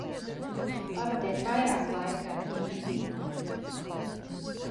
Pavadiet vairāk laika ar ģimeni!